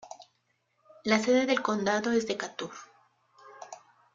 La sede del condado es Decatur.